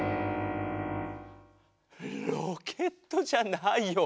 ロケットじゃないよ。